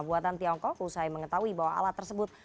buatan tiongkok usai mengetahui bahwa alat tersebut